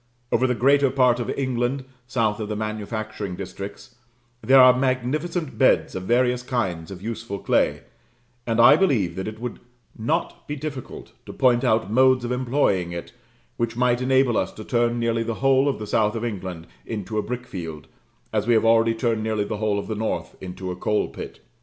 Over the greater part of England, south of the manufacturing districts, there are magnificent beds of various kinds of useful clay; and I believe that it would not be difficult to point out modes of employing it which might enable us to turn nearly the whole of the south of England into a brickfield, as we have already turned nearly the whole of the north into a coal pit.